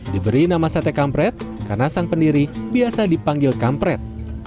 diberi nama sate kampret karena sang pendiri biasa dipanggil kampret